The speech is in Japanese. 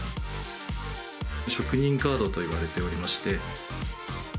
職人カードといわれておりまして。